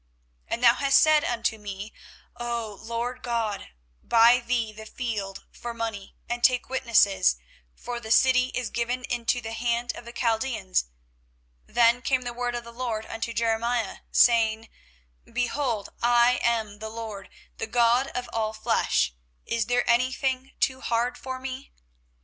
24:032:025 And thou hast said unto me, O Lord GOD, Buy thee the field for money, and take witnesses; for the city is given into the hand of the Chaldeans. 24:032:026 Then came the word of the LORD unto Jeremiah, saying, 24:032:027 Behold, I am the LORD, the God of all flesh: is there any thing too hard for me?